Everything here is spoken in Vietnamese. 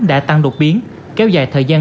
đã tăng đột biến kéo dài thời gian